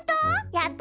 やった！